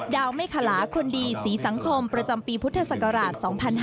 เมฆขลาคนดีศรีสังคมประจำปีพุทธศักราช๒๕๕๙